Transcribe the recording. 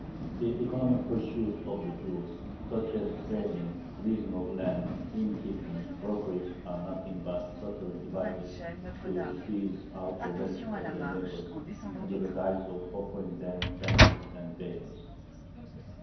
The economic pursuits of the Jews, such as trading, leasing of land, innkeeping, brokerage, are nothing but "subtle devices to squeeze out the wealth of their neighbors, under the guise of offering them benefits and favors."